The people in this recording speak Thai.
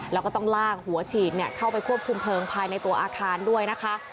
แล้วก็ต้องลากหัวฉีดเข้าไปควบคุมเพลิงภายในตัวอาคารด้วยนะคะ